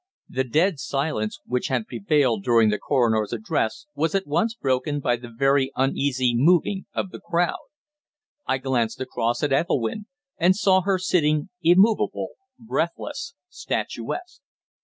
The dead silence which had prevailed during the Coroner's address was at once broken by the uneasy moving of the crowd. I glanced across at Ethelwynn, and saw her sitting immovable, breathless, statuesque.